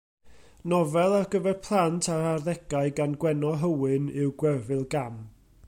Nofel ar gyfer plant a'r arddegau gan Gwenno Hywyn yw Gwerfyl Gam.